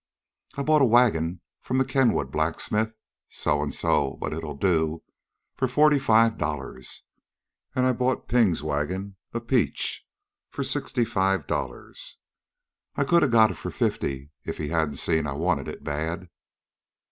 I bought a wagon from the Kenwood blacksmith so so, but it'll do for forty five dollars. An' I bought Ping's wagon a peach for sixty five dollars. I could a got it for fifty if he hadn't seen I wanted it bad."